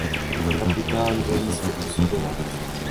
Kapitán velí stopu sledovat.